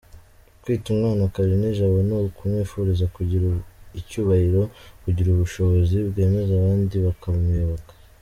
Kwita umwana Karinijabo ni ukumwifuriza kugira icyubahiro, kugira ubushobozi bwemeza abandi bakamuyoboka.